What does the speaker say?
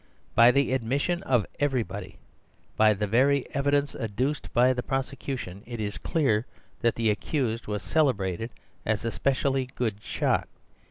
By the admission of everybody, by the very evidence adduced by the prosecution, it is clear that the accused was celebrated as a specially good shot.